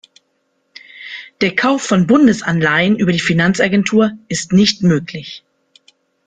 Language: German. Der Kauf von Bundesanleihen über die Finanzagentur ist nicht möglich.